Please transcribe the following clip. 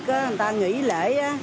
người ta nghỉ lễ